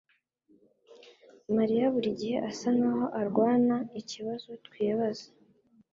mariya buri gihe asa nkaho arwana ikibazo twibaza